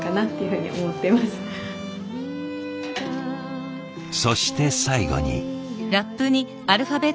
そして最後に。